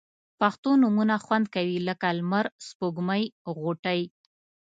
پښتو نومونه خوند کوي لکه لمر، سپوږمۍ، غوټۍ